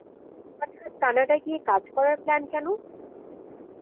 হঠাৎ কানাডা গিয়ে কাজ করার প্লান কেন?